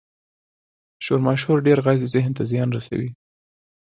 • د شور ماشور ډېر ږغ ذهن ته زیان رسوي.